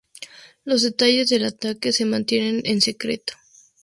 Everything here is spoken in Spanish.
Los detalles del ataque se mantienen en secreto.